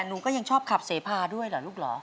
หนูก็ยังชอบขับเสพาด้วยเหรอลูกเหรอ